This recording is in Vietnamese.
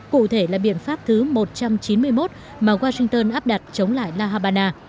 cụ thể là biện pháp thứ một trăm chín mươi một mà washington áp đặt chống lại la habana